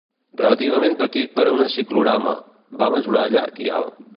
Relativament petit per a un ciclorama, va mesurar llarg i alt.